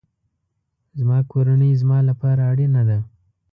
زما کورنۍ زما لپاره اړینه ده